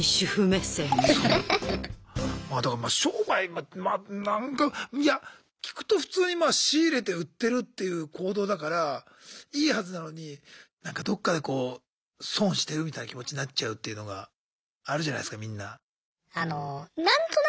まあだから商売いや聞くと普通にまあ仕入れて売ってるっていう行動だからいいはずなのになんかどっかでこう損してるみたいな気持ちになっちゃうっていうのがあるじゃないすかみんな。